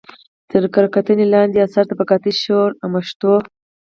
تر کره کتنې لاندې اثر: طبقاتي شعور او پښتو